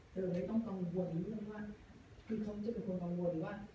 เลยไม่ต้องกังวลเรื่องว่าคือเขาจะเป็นคนกังวลว่า